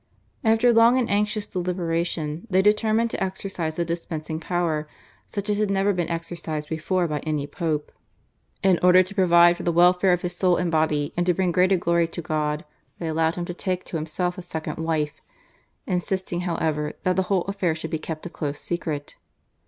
After long and anxious deliberation they determined to exercise a dispensing power such as had never been exercised before by any Pope. "In order to provide for the welfare of his soul and body and to bring greater glory to God," they allowed him to take to himself a second wife, insisting, however, that the whole affair should be kept a close secret.